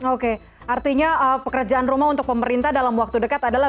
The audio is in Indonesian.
oke artinya pekerjaan rumah untuk pemerintah dalam waktu dekat adalah